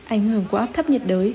ảnh hưởng của áp thấp nhiệt đới